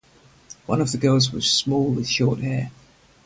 One of the girls was small with short hair.